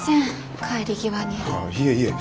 いえいえ。